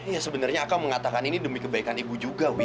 iya sebenarnya aka mengatakan ini demi kebaikan ibu juga wi